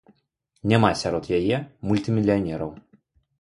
Няма сярод яе мультымільянераў.